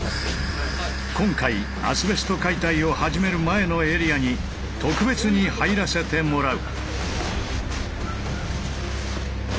今回アスベスト解体を始める前のエリアに特別に入らせてもらう。